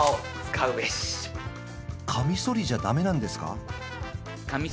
かみそりじゃ駄目なんですか？